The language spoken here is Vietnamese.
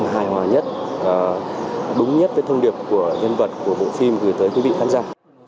hài hòa nhất đúng nhất với thông điệp của nhân vật của bộ phim gửi tới quý vị khán giả